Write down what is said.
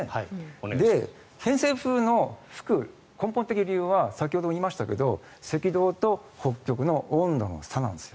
偏西風の吹く根本的な理由は先ほども言いましたが赤道と北極の温度の差なんです。